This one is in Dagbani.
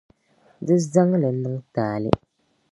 Di zaŋ li niŋ taali.